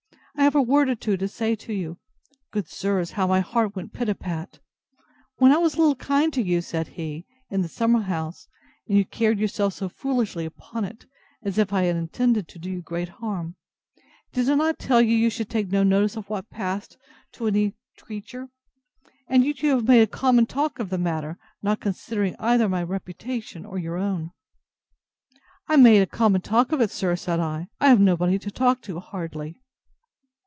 I have a word or two to say to you. Good sirs, how my heart went pit a pat! When I was a little kind to you, said he, in the summer house, and you carried yourself so foolishly upon it, as if I had intended to do you great harm, did I not tell you you should take no notice of what passed to any creature? and yet you have made a common talk of the matter, not considering either my reputation, or your own.—I made a common talk of it, sir! said I: I have nobody to talk to, hardly.